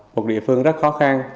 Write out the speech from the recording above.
một địa phương rất khó khăn